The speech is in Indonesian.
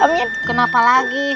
amin kenapa lagi